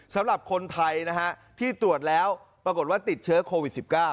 สำหรับคนไทยนะฮะที่ตรวจแล้วปรากฏว่าติดเชื้อโควิด๑๙